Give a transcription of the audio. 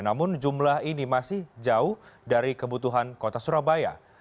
namun jumlah ini masih jauh dari kebutuhan kota surabaya